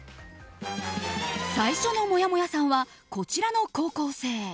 最初のもやもやさんはこちらの高校生。